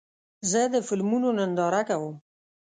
زه د فلمونو ننداره کوم.